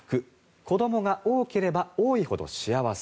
子どもが多ければ多いほど幸せ。